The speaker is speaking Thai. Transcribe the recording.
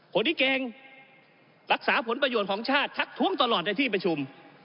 คนที่เก่งรักษาผลประโยชน์ของชาติทักท้วงตลอดในที่ประชุม